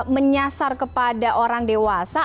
menyasar kepada orang dewasa